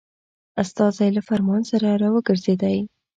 استازی له فرمان سره را وګرځېدی.